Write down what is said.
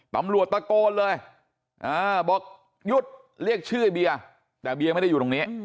ตำรวจตะโกนเลยบอกหยุดเรียกชื่อไอ้เบียร์แต่เบียร์ไม่ได้อยู่ตรงนี้